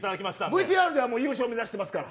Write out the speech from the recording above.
ＶＴＲでは優勝目指しますから。